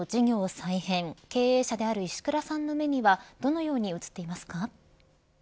再編経営者である石倉さんの目にはどのように映っていますか。